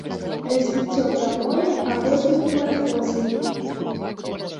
Развіццё прамое або з метамарфозай.